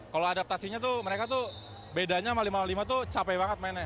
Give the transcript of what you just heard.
kalau adaptasinya tuh mereka tuh bedanya sama lima lima tuh capek banget mainnya